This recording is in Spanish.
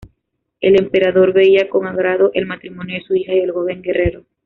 El emperador veía con agrado el matrimonio de su hija y el joven guerrero.